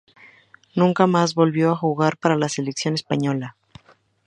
Nunca más volvió a jugar para la selección española.